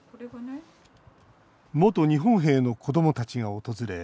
元日本兵の子どもたちが訪れ